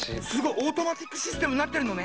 オートマチックシステムになってるのね。